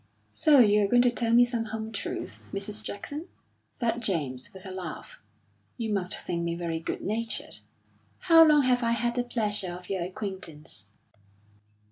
"So you're going to tell me some home truths, Mrs. Jackson?" said James, with a laugh. "You must think me very good natured. How long have I had the pleasure of your acquaintance?"